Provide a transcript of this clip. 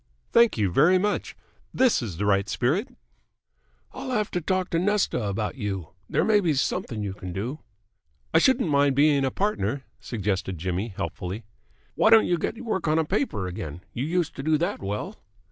"Thank you very much. This is the right spirit." "I'll have to talk to Nesta about you. There may be something you can do." "I shouldn't mind being a partner," suggested Jimmy helpfully. "Why don't you get work on a paper again? You used to do that well."